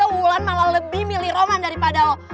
wulan malah lebih milih roman daripada lo